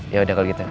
yaudah kalo gitu